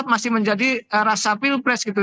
masih menjadi rasa pilpres gitu